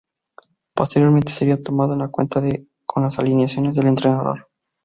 Posteriormente sería tomado en cuenta en las alineaciones del entrenador.